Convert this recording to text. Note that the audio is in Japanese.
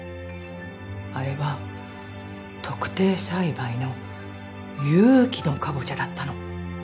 あれは特定栽培の有機のカボチャだったの。